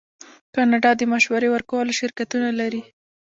کاناډا د مشورې ورکولو شرکتونه لري.